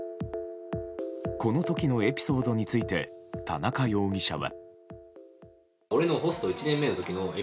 この時のエピソードについて田中容疑者は。